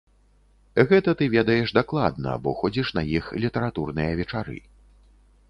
Гэта ты ведаеш дакладна, бо ходзіш на іх літаратурныя вечары.